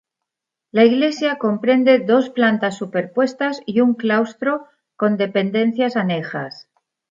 La iglesia comprende dos plantas superpuestas y un claustro con dependencias anejas.